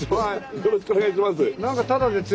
よろしくお願いします。